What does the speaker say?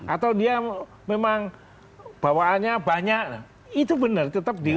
atau dia memang bawaannya banyak itu benar tetap di